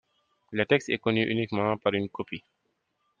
Le texte est connu uniquement par une copie.